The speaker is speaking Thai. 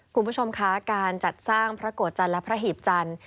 คุณผู้ชมค่ะการจัดสร้างพระโกฎจรรย์และพระหีบจรรย์